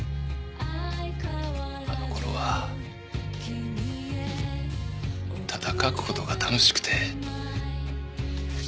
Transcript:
あの頃はただ書く事が楽しくて。